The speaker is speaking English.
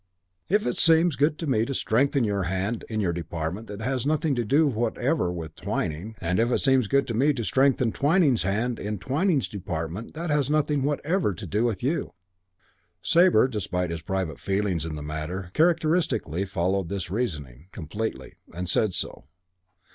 If it seems good to me to strengthen your hand in your department that has nothing whatever to do with Twyning. And if it seems good to me to strengthen Twyning's hand in Twyning's department that has nothing whatever to do with you." Sabre, despite his private feelings in the matter, characteristically followed this reasoning completely, and said so.